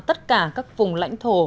tất cả các vùng lãnh thổ